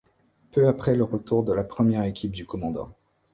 Peu après le retour de la première équipe du Cdt.